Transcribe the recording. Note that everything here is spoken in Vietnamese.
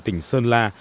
tỉnh sơn la